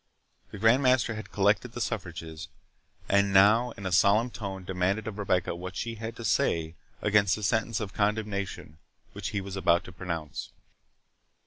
The Grand Master had collected the suffrages, and now in a solemn tone demanded of Rebecca what she had to say against the sentence of condemnation, which he was about to pronounce.